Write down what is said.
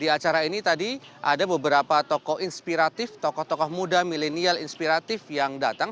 di acara ini tadi ada beberapa tokoh inspiratif tokoh tokoh muda milenial inspiratif yang datang